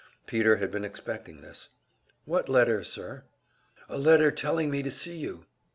Peter had been expecting this. "What letter, sir?" "A letter telling me to see you."